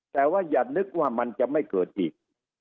แต่ว่าอย่านึกว่ามันจะไม่เกิดอีก